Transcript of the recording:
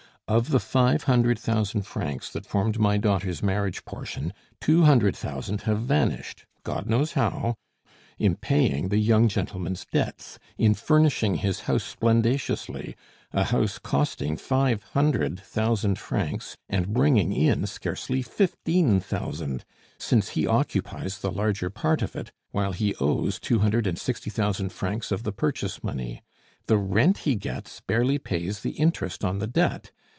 "Of the five hundred thousand francs that formed my daughter's marriage portion, two hundred thousand have vanished God knows how! in paying the young gentleman's debts, in furnishing his house splendaciously a house costing five hundred thousand francs, and bringing in scarcely fifteen thousand, since he occupies the larger part of it, while he owes two hundred and sixty thousand francs of the purchase money. The rent he gets barely pays the interest on the debt.